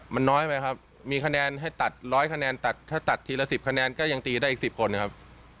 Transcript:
มันน้อยไปครับมีคะแนนให้ตัด๑๐๐คะแนนตัดถ้าตัดทีละ๑๐คะแนนก็ยังตีได้อีก๑๐คนครับ